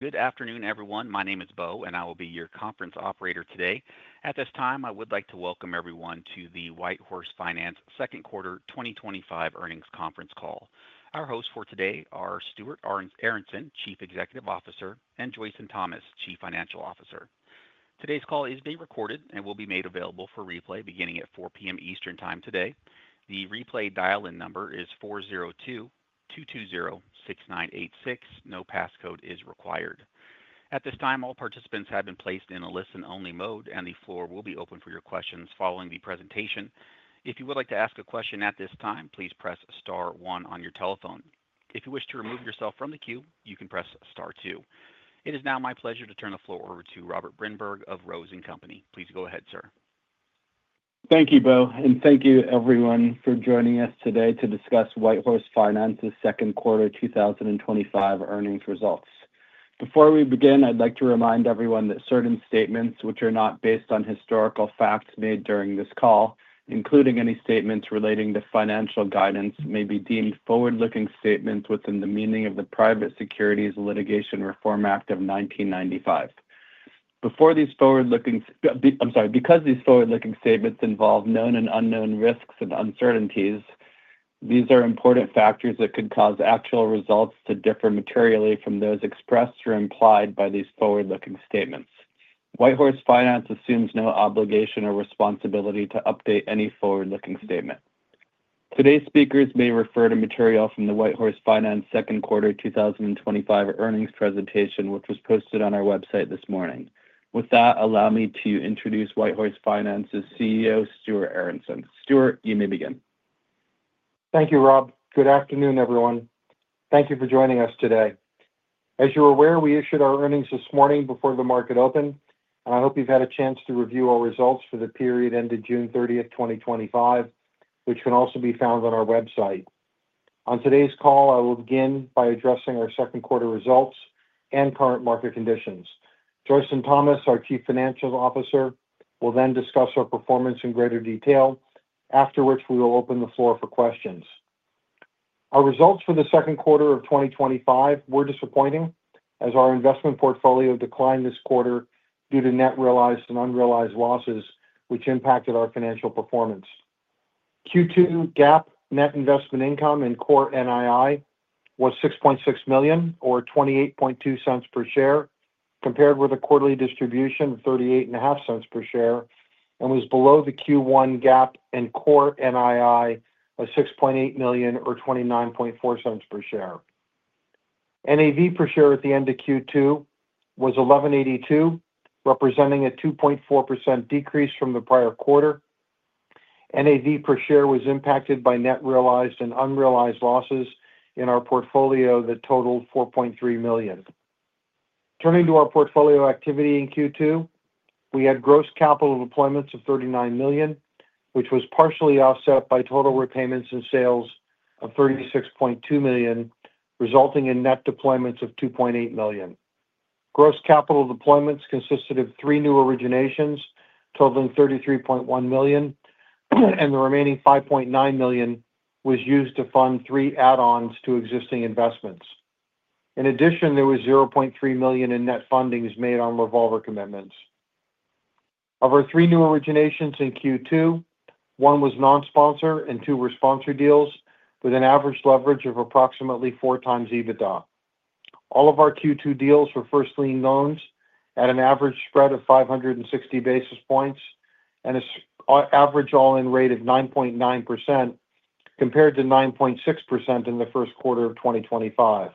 Good afternoon, everyone. My name is Bo, and I will be your conference operator today. At this time, I would like to welcome everyone to the WhiteHorse Finance second quarter 2025 earnings conference call. Our hosts for today are Stuart Aronson, Chief Executive Officer, and Joyson Thomas, Chief Financial Officer. Today's call is being recorded and will be made available for replay beginning at 4:00 P.M. Eastern Time today. The replay dial-in number is 402-220-6986. No passcode is required. At this time, all participants have been placed in a listen-only mode, and the floor will be open for your questions following the presentation. If you would like to ask a question at this time, please press star one on your telephone. If you wish to remove yourself from the queue, you can press star two. It is now my pleasure to turn the floor over to Robert Brinberg of Rose and Company. Please go ahead, sir. Thank you, Bo, and thank you, everyone, for joining us today to discuss WhiteHorse Finance's second quarter 2025 earnings results. Before we begin, I'd like to remind everyone that certain statements, which are not based on historical facts made during this call, including any statements relating to financial guidance, may be deemed forward-looking statements within the meaning of the Private Securities Litigation Reform Act of 1995. Because these forward-looking statements involve known and unknown risks and uncertainties, these are important factors that could cause actual results to differ materially from those expressed or implied by these forward-looking statements. WhiteHorse Finance assumes no obligation or responsibility to update any forward-looking statement. Today's speakers may refer to material from the WhiteHorse Finance second quarter 2025 earnings presentation, which was posted on our website this morning. With that, allow me to introduce WhiteHorse Finance's CEO, Stuart Aronson. Stuart, you may begin. Thank you, Rob. Good afternoon, everyone. Thank you for joining us today. As you're aware, we issued our earnings this morning before the market opened, and I hope you've had a chance to review our results for the period ended June 30, 2025, which can also be found on our website. On today's call, I will begin by addressing our second quarter results and current market conditions. Joyson Thomas, our Chief Financial Officer, will then discuss our performance in greater detail, after which we will open the floor for questions. Our results for the second quarter of 2025 were disappointing, as our investment portfolio declined this quarter due to net realized and unrealized losses, which impacted our financial performance. Q2 GAAP net investment income and core NII was $6.6 million or $0.282 per share, compared with a quarterly distribution of $0.385 per share, and was below the Q1 GAAP and core NII of $6.8 million or $0.294 per share. NAV per share at the end of Q2 was $11.82, representing a 2.4% decrease from the prior quarter. NAV per share was impacted by net realized and unrealized losses in our portfolio that totaled $4.3 million. Turning to our portfolio activity in Q2, we had gross capital deployments of $39 million, which was partially offset by total repayments and sales of $36.2 million, resulting in net deployments of $2.8 million. Gross capital deployments consisted of three new originations totaling $33.1 million, and the remaining $5.9 million was used to fund three add-ons to existing investments. In addition, there was $0.3 million in net fundings made on revolver commitments. Of our three new originations in Q2, one was non-sponsor and two were sponsor deals, with an average leverage of approximately four times EBITDA. All of our Q2 deals were first lien loans at an average spread of 560 basis points and an average all-in rate of 9.9% compared to 9.6% in the first quarter of 2025.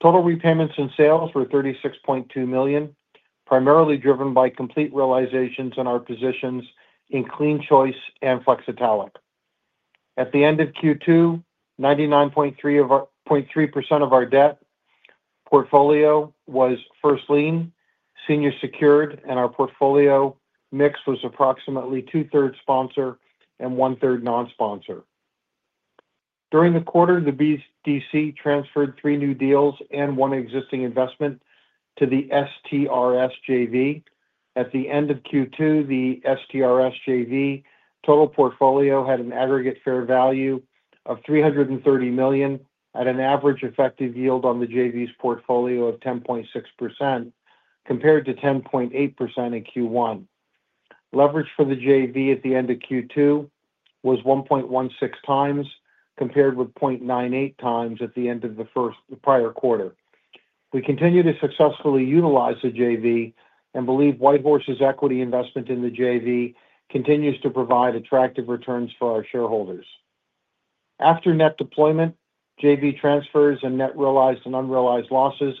Total repayments and sales were $36.2 million, primarily driven by complete realizations in our positions in CleanChoice and Flexitallic. At the end of Q2, 99.3% of our debt portfolio was first lien, senior secured, and our portfolio mix was approximately two-thirds sponsor and one-third non-sponsor. During the quarter, the BDC transferred three new deals and one existing investment to the STRSJV. At the end of Q2, the STRSJV total portfolio had an aggregate fair value of $330 million at an average effective yield on the JV's portfolio of 10.6% compared to 10.8% in Q1. Leverage for the JV at the end of Q2 was 1.16 times compared with 0.98 times at the end of the prior quarter. We continue to successfully utilize the JV and believe WhiteHorse's equity investment in the JV continues to provide attractive returns for our shareholders. After net deployment, JV transfers, and net realized and unrealized losses,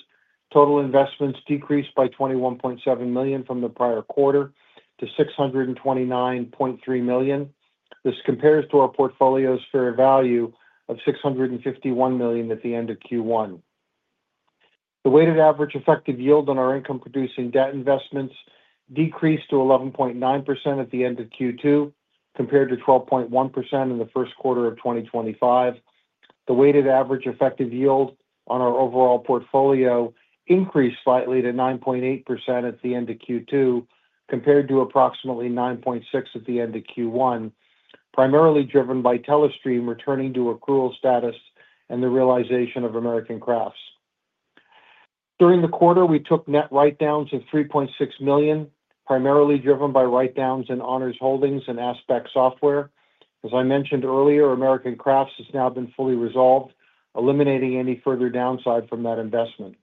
total investments decreased by $21.7 million from the prior quarter to $629.3 million. This compares to our portfolio's fair value of $651 million at the end of Q1. The weighted average effective yield on our income-producing debt investments decreased to 11.9% at the end of Q2 compared to 12.1% in the first quarter of 2025. The weighted average effective yield on our overall portfolio increased slightly to 9.8% at the end of Q2 compared to approximately 9.6% at the end of Q1, primarily driven by Telestream returning to accrual status and the realization of American Crafts. During the quarter, we took net write-downs of $3.6 million, primarily driven by write-downs in Honors Holdings and Aspect Software. As I mentioned earlier, American Crafts has now been fully resolved, eliminating any further downside from that investment.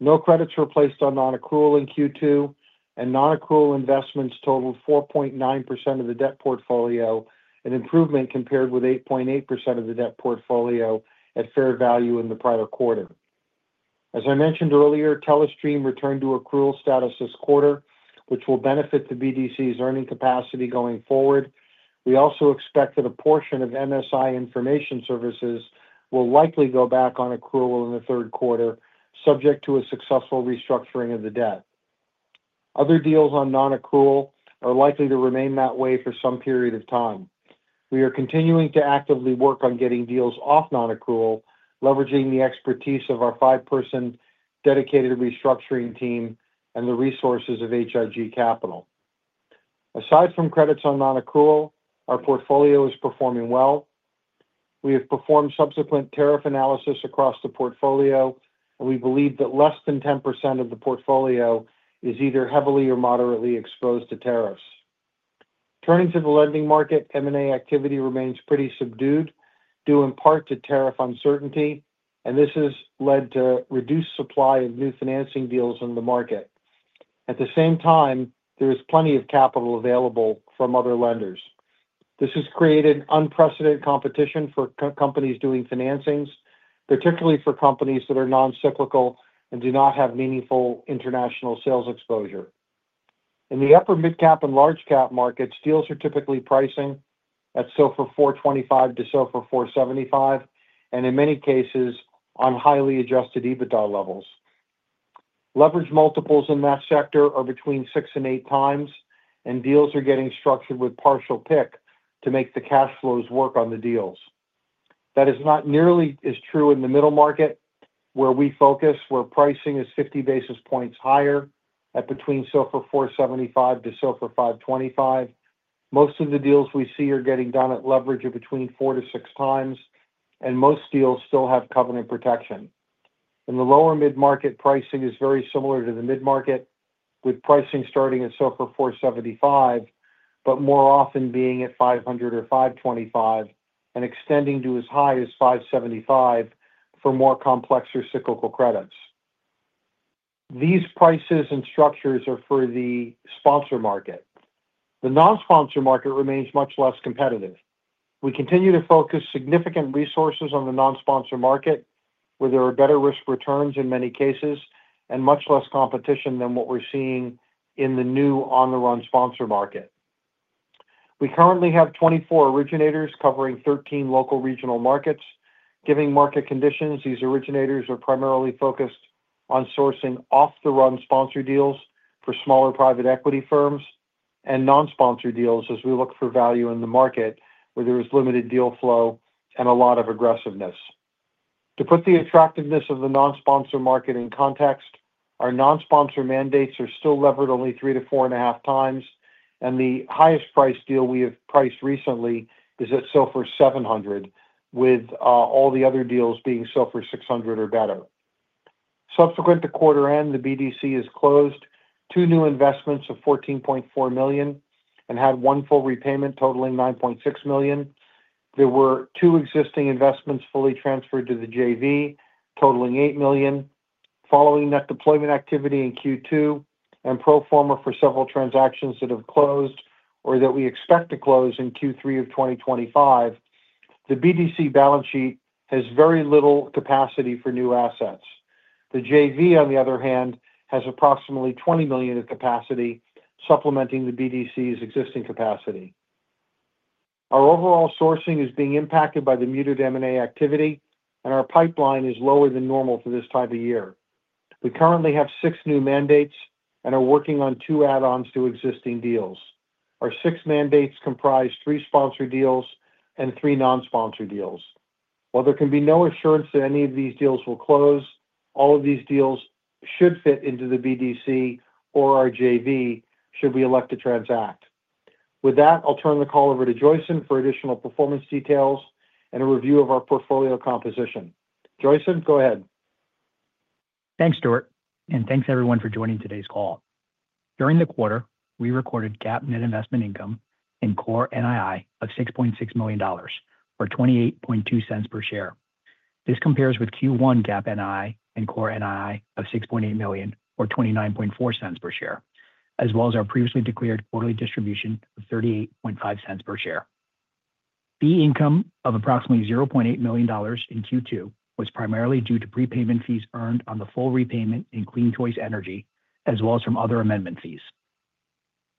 No credits were placed on non-accrual in Q2, and non-accrual investments totaled 4.9% of the debt portfolio, an improvement compared with 8.8% of the debt portfolio at fair value in the prior quarter. As I mentioned earlier, Telestream returned to accrual status this quarter, which will benefit the BDC's earning capacity going forward. We also expect that a portion of NSI Information Services will likely go back on accrual in the third quarter, subject to a successful restructuring of the debt. Other deals on non-accrual are likely to remain that way for some period of time. We are continuing to actively work on getting deals off non-accrual, leveraging the expertise of our five-person dedicated restructuring team and the resources of H.I.G. Capital. Aside from credits on non-accrual, our portfolio is performing well. We have performed subsequent tariff analysis across the portfolio, and we believe that less than 10% of the portfolio is either heavily or moderately exposed to tariffs. Turning to the lending market, M&A activity remains pretty subdued due in part to tariff uncertainty, and this has led to reduced supply of new financing deals in the market. At the same time, there is plenty of capital available from other lenders. This has created unprecedented competition for companies doing financings, particularly for companies that are non-cyclical and do not have meaningful international sales exposure. In the upper mid-cap and large cap markets, deals are typically pricing at SOFR +4.25%-SOFR +4.75%, and in many cases, on highly adjusted EBITDA levels. Leverage multiples in that sector are between six and eight times, and deals are getting structured with partial PIK to make the cash flows work on the deals. That is not nearly as true in the middle market, where we focus, where pricing is 50 basis points higher at between SOFR +4.75%-SOFR +5.25%. Most of the deals we see are getting done at leverage of between 4-6 times, and most deals still have covenant protection. In the lower mid-market, pricing is very similar to the mid-market, with pricing starting at SOFR +4.75%, but more often being at SOFR +5.00% or SOFR +5.25% and extending to as high as SOFR +5.75% for more complex or cyclical credits. These prices and structures are for the sponsor market. The non-sponsor market remains much less competitive. We continue to focus significant resources on the non-sponsor market, where there are better risk returns in many cases and much less competition than what we're seeing in the new on-the-run sponsor market. We currently have 24 originators covering 13 local regional markets. Given market conditions, these originators are primarily focused on sourcing off-the-run sponsor deals for smaller private equity firms and non-sponsor deals as we look for value in the market where there is limited deal flow and a lot of aggressiveness. To put the attractiveness of the non-sponsor market in context, our non-sponsor mandates are still levered only three to four and a half times, and the highest price deal we have priced recently is at SOFR +7.00%, with all the other deals being SOFR +6.00% or better. Subsequent to quarter end, the BDC has closed two new investments of $14.4 million and had one full repayment totaling $9.6 million. There were two existing investments fully transferred to the JV, totaling $8 million. Following net deployment activity in Q2 and pro forma for several transactions that have closed or that we expect to close in Q3 of 2025, the BDC balance sheet has very little capacity for new assets. The JV, on the other hand, has approximately $20 million of capacity supplementing the BDC's existing capacity. Our overall sourcing is being impacted by the muted M&A activity, and our pipeline is lower than normal for this time of year. We currently have six new mandates and are working on two add-ons to existing deals. Our six mandates comprise three sponsor deals and three non-sponsor deals. While there can be no assurance that any of these deals will close, all of these deals should fit into the BDC or our JV should we elect to transact. With that, I'll turn the call over to Joyson for additional performance details and a review of our portfolio composition. Joyson, go ahead. Thanks, Stuart, and thanks everyone for joining today's call. During the quarter, we recorded GAAP net investment income and core NII of $6.6 million or $0.282 per share. This compares with Q1 GAAP NII and core NII of $6.8 million or $0.294 per share, as well as our previously declared quarterly distribution of $0.385 per share. Fee income of approximately $0.8 million in Q2 was primarily due to prepayment fees earned on the full repayment in CleanChoice Energy, as well as from other amendment fees.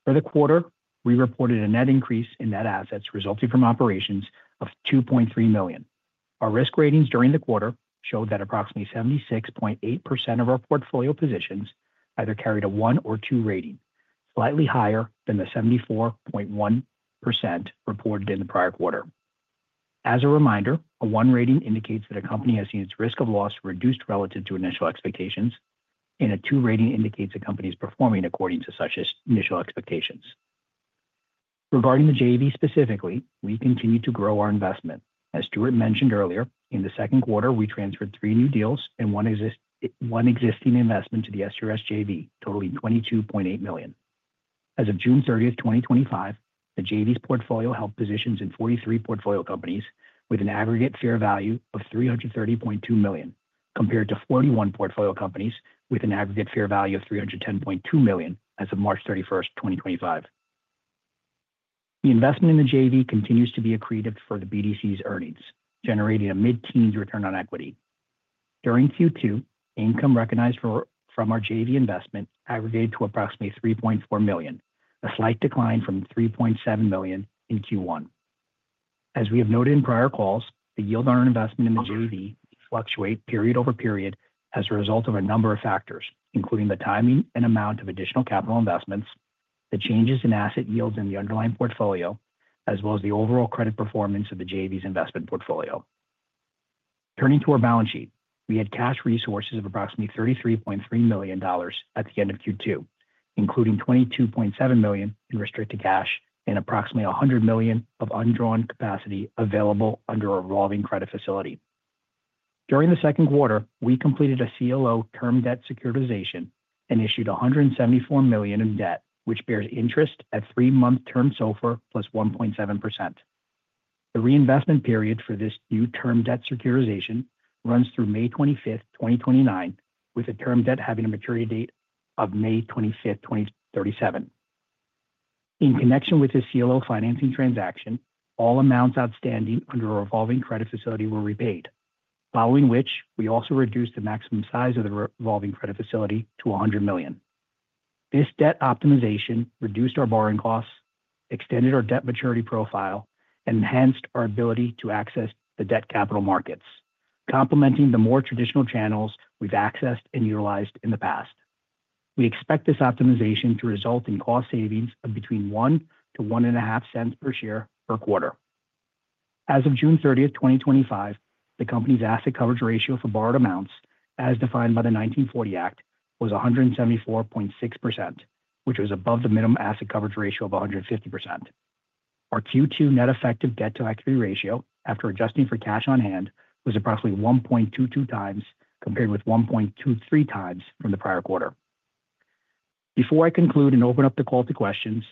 For the quarter, we reported a net increase in net assets resulting from operations of $2.3 million. Our risk ratings during the quarter showed that approximately 76.8% of our portfolio positions either carried a one or two rating, slightly higher than the 74.1% reported in the prior quarter. As a reminder, a one rating indicates that a company has seen its risk of loss reduced relative to initial expectations, and a two rating indicates a company is performing according to such initial expectations. Regarding the JV specifically, we continue to grow our investment. As Stuart mentioned earlier, in the second quarter, we transferred three new deals and one existing investment to the STRSJV, totaling $22.8 million. As of June 30, 2025, the JV's portfolio held positions in 43 portfolio companies with an aggregate fair value of $330.2 million, compared to 41 portfolio companies with an aggregate fair value of $310.2 million as of March 31, 2025. The investment in the JV continues to be a credence for the BDC's earnings, generating a mid-teens return on equity. During Q2, income recognized from our JV investment aggregated to approximately $3.4 million, a slight decline from $3.7 million in Q1. As we have noted in prior calls, the yield on our investment in the JV fluctuates period over period as a result of a number of factors, including the timing and amount of additional capital investments, the changes in asset yields in the underlying portfolio, as well as the overall credit performance of the JV's investment portfolio. Turning to our balance sheet, we had cash resources of approximately $33.3 million at the end of Q2, including $22.7 million in restricted cash and approximately $100 million of undrawn capacity available under a revolving credit facility. During the second quarter, we completed a CLO term debt securitization and issued $174 million in debt, which bears interest at three-month term SOFR +1.7%. The reinvestment period for this new term debt securitization runs through May 25, 2029, with the term debt having a maturity date of May 25, 2037. In connection with this CLO term debt securitization, all amounts outstanding under a revolving credit facility were repaid, following which we also reduced the maximum size of the revolving credit facility to $100 million. This debt optimization reduced our borrowing costs, extended our debt maturity profile, and enhanced our ability to access the debt capital markets, complementing the more traditional channels we've accessed and utilized in the past. We expect this optimization to result in cost savings of between $0.01-$0.015 per share per quarter. As of June 30, 2025, the company's asset coverage ratio for borrowed amounts, as defined by the 1940 Act, was 174.6%, which was above the minimum asset coverage ratio of 150%. Our Q2 net effective debt-to-activity ratio, after adjusting for cash on hand, was approximately 1.22 times compared with 1.23 times from the prior quarter. Before I conclude and open up the call to questions,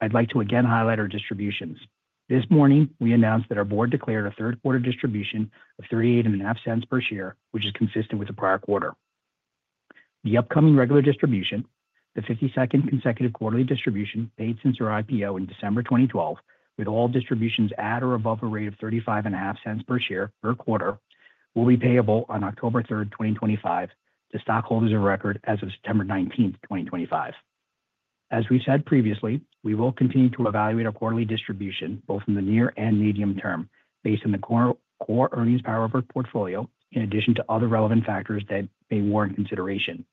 I'd like to again highlight our distributions. This morning, we announced that our board declared a third-quarter distribution of $0.385 per share, which is consistent with the prior quarter. The upcoming regular distribution, the 52nd consecutive quarterly distribution paid since our IPO in December 2012, with all distributions at or above a rate of $0.355 per share per quarter, will be payable on October 3, 2025, to stockholders of record as of September 19, 2025. As we said previously, we will continue to evaluate our quarterly distribution both in the near and medium term based on the core earnings power of our portfolio, in addition to other relevant factors that may warrant consideration.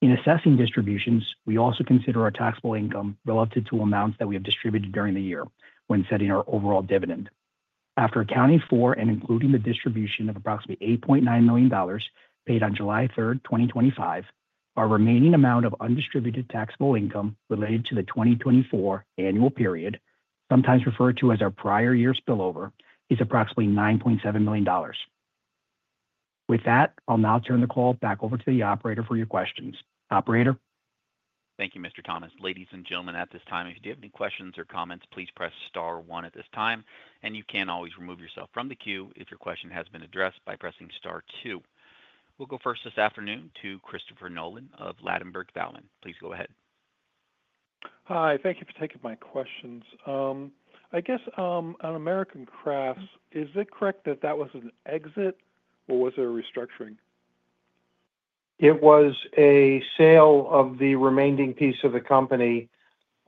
In assessing distributions, we also consider our taxable income relative to amounts that we have distributed during the year when setting our overall dividend. After accounting for and including the distribution of approximately $8.9 million paid on July 3, 2025, our remaining amount of undistributed taxable income related to the 2024 annual period, sometimes referred to as our prior year's spillover, is approximately $9.7 million. With that, I'll now turn the call back over to the operator for your questions. Operator? Thank you, Mr. Thomas. Ladies and gentlemen, at this time, if you do have any questions or comments, please press star one at this time, and you can always remove yourself from the queue if your question has been addressed by pressing star two. We'll go first this afternoon to Christopher Nolan of Ladenburg Thalmann. Please go ahead. Hi, thank you for taking my questions. I guess, on American Crafts, is it correct that that was an exit or was there a restructuring? It was a sale of the remaining piece of the company,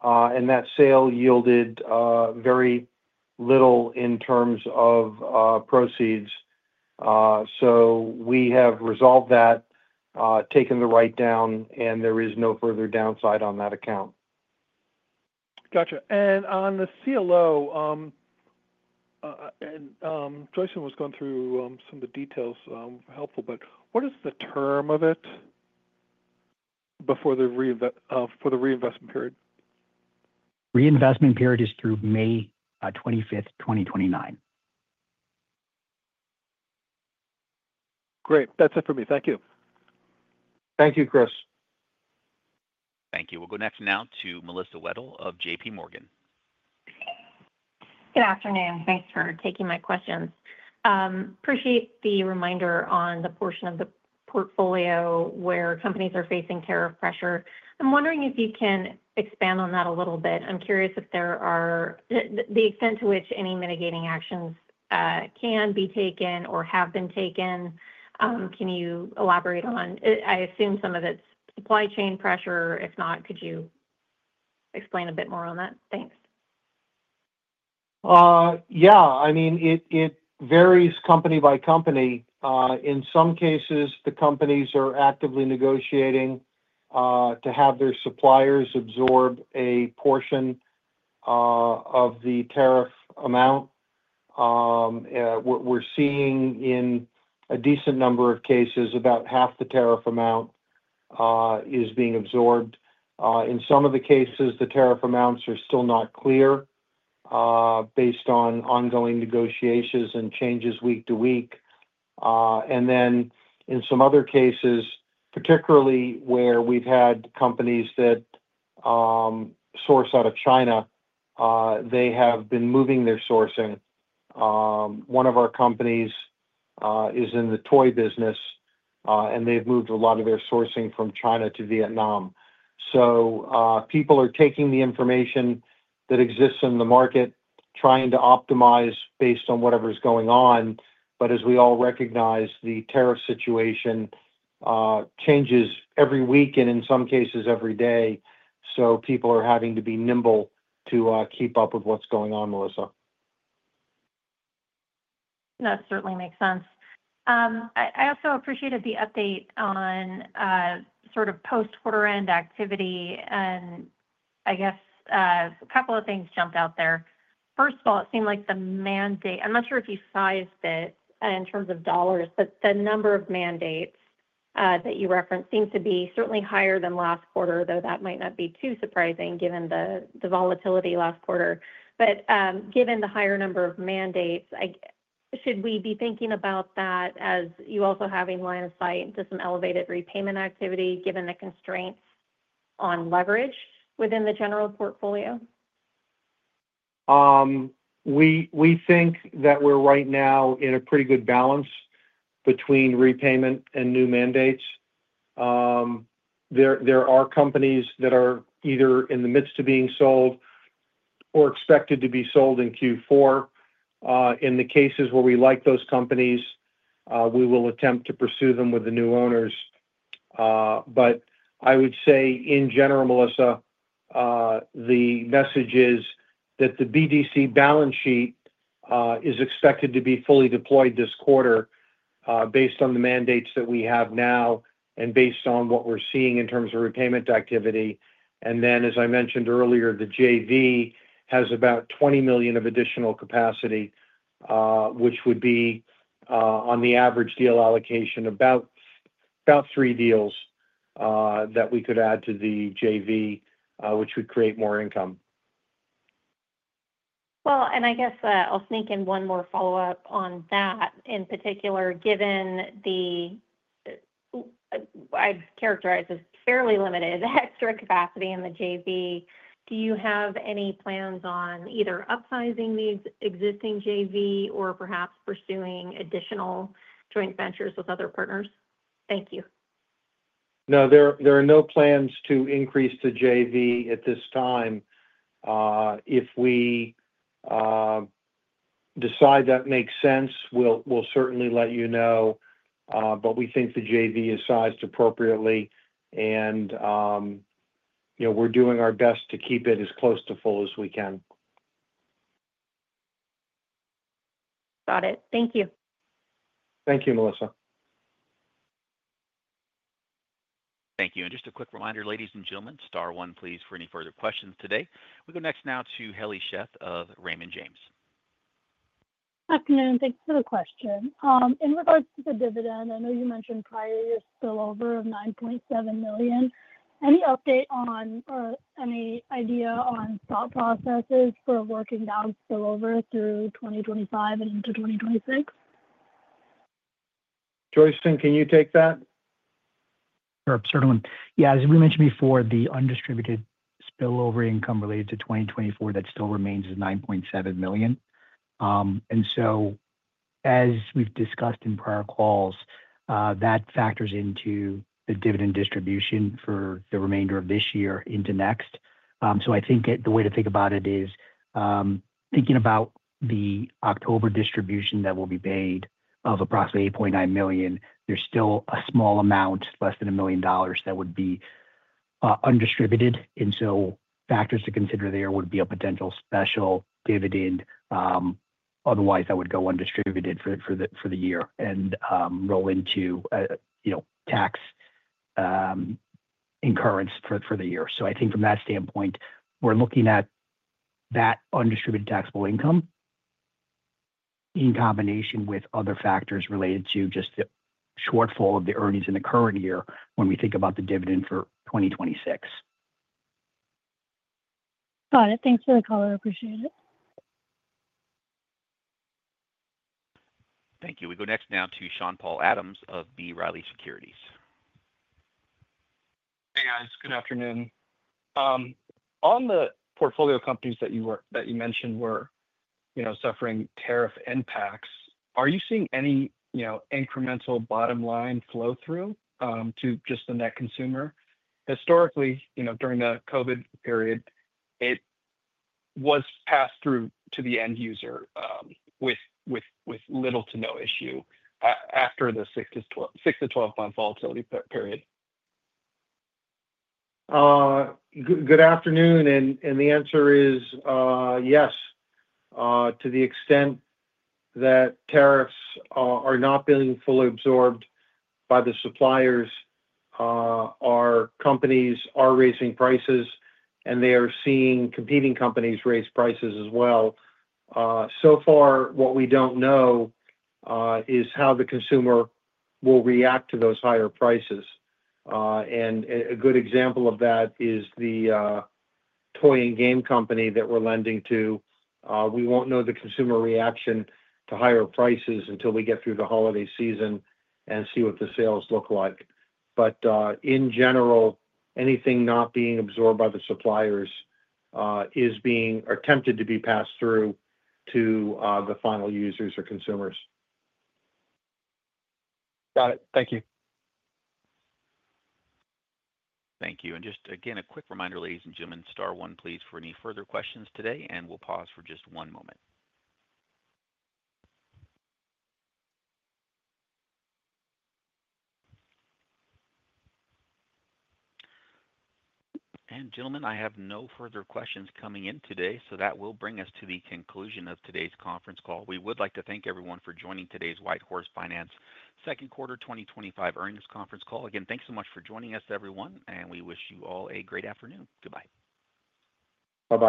and that sale yielded very little in terms of proceeds. We have resolved that, taken the write-down, and there is no further downside on that account. Gotcha. On the CLO, Joyson was going through some of the details, helpful, but what is the term of it before the reinvestment period? Reinvestment period is through May 25, 2029. Great. That's it for me. Thank you. Thank you, Chris. Thank you. We'll go next now to Melissa Wedel of JPMorgan. Good afternoon. Thanks for taking my question. Appreciate the reminder on the portion of the portfolio where companies are facing tariff pressure. I'm wondering if you can expand on that a little bit. I'm curious if there are the extent to which any mitigating actions can be taken or have been taken. Can you elaborate on, I assume, some of it is supply chain pressure? If not, could you explain a bit more on that? Thanks. Yeah. I mean, it varies company by company. In some cases, the companies are actively negotiating to have their suppliers absorb a portion of the tariff amount. We're seeing in a decent number of cases about half the tariff amount is being absorbed. In some of the cases, the tariff amounts are still not clear, based on ongoing negotiations and changes week to week. In some other cases, particularly where we've had companies that source out of China, they have been moving their sourcing. One of our companies is in the toy business, and they've moved a lot of their sourcing from China to Vietnam. People are taking the information that exists in the market, trying to optimize based on whatever's going on. As we all recognize, the tariff situation changes every week and in some cases every day. People are having to be nimble to keep up with what's going on, Melissa. That certainly makes sense. I also appreciated the update on, sort of, post-quarter-end activity. I guess a couple of things jumped out there. First of all, it seemed like the mandate, I'm not sure if you sized it in terms of dollars, but the number of mandates that you referenced seems to be certainly higher than last quarter, though that might not be too surprising given the volatility last quarter. Given the higher number of mandates, should we be thinking about that as you also having line of sight into some elevated repayment activity given the constraints on leverage within the general portfolio? We think that we're right now in a pretty good balance between repayment and new mandates. There are companies that are either in the midst of being sold or expected to be sold in Q4. In the cases where we like those companies, we will attempt to pursue them with the new owners. I would say, in general, Melissa, the message is that the BDC balance sheet is expected to be fully deployed this quarter based on the mandates that we have now and based on what we're seeing in terms of repayment activity. As I mentioned earlier, the JV has about $20 million of additional capacity, which would be, on the average deal allocation, about three deals that we could add to the JV, which would create more income. I guess I'll sneak in one more follow-up on that. In particular, given the, I've characterized as fairly limited extra capacity in the JV, do you have any plans on either upsizing the existing JV or perhaps pursuing additional JVs with other partners? Thank you. No, there are no plans to increase the JV at this time. If we decide that makes sense, we'll certainly let you know. We think the JV is sized appropriately, and you know we're doing our best to keep it as close to full as we can. Got it. Thank you. Thank you, Melissa. Thank you. Just a quick reminder, ladies and gentlemen, star one, please, for any further questions today. We go next now to Haley Sheff of Raymond James. Good afternoon. Thanks for the question. In regards to the dividend, I know you mentioned prior year's spillover of $9.7 million. Any update on or any idea on thought processes for working down spillover through 2025 and into 2026? Joyson, can you take that? Sure. Certainly. Yeah. As we mentioned before, the undistributed spillover income related to 2024 that still remains is $9.7 million, and as we've discussed in prior calls, that factors into the dividend distribution for the remainder of this year into next. I think the way to think about it is, thinking about the October distribution that will be paid of approximately $8.9 million, there's still a small amount, less than $1 million, that would be undistributed. Factors to consider there would be a potential special dividend. Otherwise, that would go undistributed for the year and roll into tax incurrence for the year. I think from that standpoint, we're looking at that undistributed taxable income in combination with other factors related to just the shortfall of the earnings in the current year when we think about the dividend for 2026. Got it. Thanks for the call. I appreciate it. Thank you. We go next now to Sean Paul Adams of B. Riley Securities. Hey, guys. Good afternoon. On the portfolio companies that you mentioned were suffering tariff impacts, are you seeing any incremental bottom line flow-through to just the net consumer? Historically, during the COVID period, it was passed through to the end user with little to no issue after the 6-12-month volatility period. Good afternoon. The answer is, yes. To the extent that tariffs are not being fully absorbed by the suppliers, our companies are raising prices, and they are seeing competing companies raise prices as well. So far, what we don't know is how the consumer will react to those higher prices. A good example of that is the toy and game company that we're lending to. We won't know the consumer reaction to higher prices until we get through the holiday season and see what the sales look like. In general, anything not being absorbed by the suppliers is being attempted to be passed through to the final users or consumers. Got it. Thank you. Thank you. Just again, a quick reminder, ladies and gentlemen, star one, please, for any further questions today, and we'll pause for just one moment. Gentlemen, I have no further questions coming in today, so that will bring us to the conclusion of today's conference call. We would like to thank everyone for joining today's WhiteHorse Finance second quarter 2025 earnings conference call. Again, thanks so much for joining us, everyone, and we wish you all a great afternoon. Goodbye. Bye-bye.